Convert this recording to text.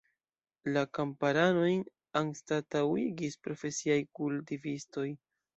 La kamparanojn anstataŭigis profesiaj kultivistoj.